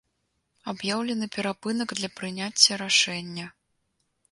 Аб'яўлены перапынак для прыняцця рашэння.